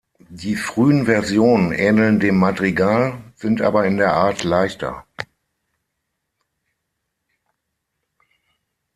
Die frühen Versionen ähneln dem Madrigal, sind aber in der Art leichter.